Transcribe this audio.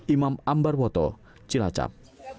imam ambar woto cilacap